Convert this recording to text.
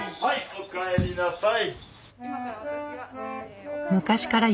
おかえりなさい！